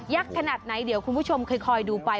ขนาดไหนเดี๋ยวคุณผู้ชมค่อยดูไป